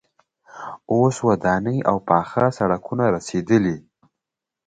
اوس ودانۍ او پاخه سړکونه رسیدلي.